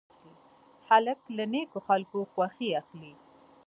هلک له نیکو خلکو خوښي اخلي.